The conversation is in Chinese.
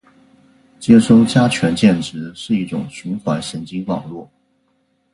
接收加权键值是一种循环神经网络